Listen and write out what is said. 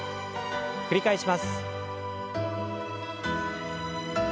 繰り返します。